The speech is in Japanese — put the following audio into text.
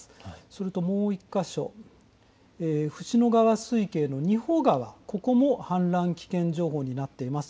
それともう１か所、椹野川水系の仁保川、ここも氾濫危険情報になっています。